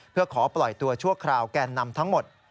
เพื่อขอปล่อยตัวชั่วคราวแกนนำทั้งหมด